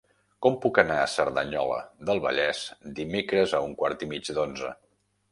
Com puc anar a Cerdanyola del Vallès dimecres a un quart i mig d'onze?